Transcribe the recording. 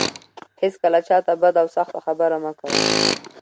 هيڅکله چا ته بده او سخته خبره مه کوه.